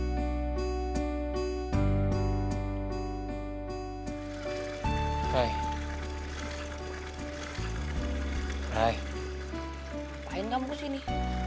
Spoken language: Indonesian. ngapain kamu kesini